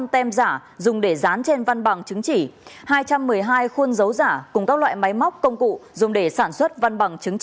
ba sáu trăm linh tem giả dùng để dán trên văn bằng chứng chỉ hai trăm một mươi hai khuôn dấu giả cùng các loại máy móc công cụ dùng để sản xuất văn bằng chứng chỉ